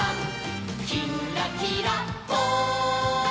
「きんらきらぽん」